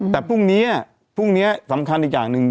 แต่พรุ่งนี้พรุ่งนี้สำคัญอีกอย่างหนึ่ง